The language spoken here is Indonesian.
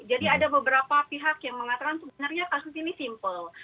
jadi ada beberapa pihak yang mengatakan sebenarnya kasus ini simpel